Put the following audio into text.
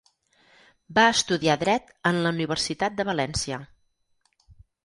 Va estudiar Dret en la Universitat de València.